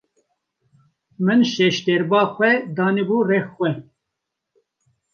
Min şejderba xwe danî bû rex xwe.